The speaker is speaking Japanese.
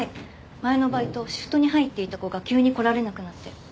前のバイトシフトに入っていた子が急に来られなくなって。